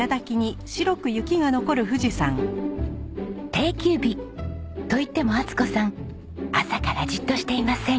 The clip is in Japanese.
定休日といっても充子さん朝からじっとしていません。